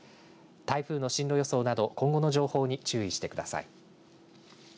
台風の進路予想など今後の情報に注意してください。